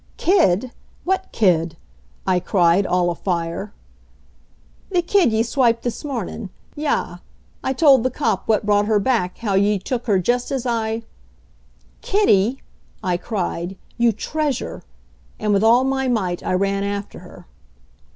"Kid! What kid?" I cried, all a fire. "The kid ye swiped this mornin'. Yah! I told the cop what brought her back how ye took her jest as I " "Kitty!" I cried. "You treasure!" And with all my might I ran after her.